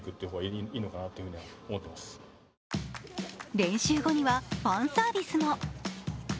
練習後にはファンサービスも。